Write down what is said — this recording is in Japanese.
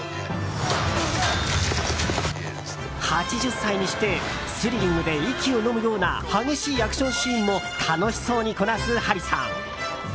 ８０歳にしてスリリングで息をのむような激しいアクションシーンも楽しそうにこなすハリソン。